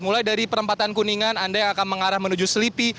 mulai dari perempatan kuningan anda yang akan mengarah menuju selipi